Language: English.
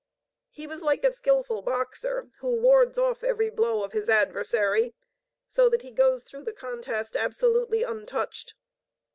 He was like a skillful boxer, who wards off every blow of his adversary, so that he goes through the contest absolutely untouched.